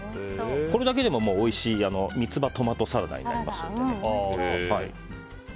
これだけでもおいしい三つ葉トマトサラダになります。